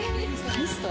ミスト？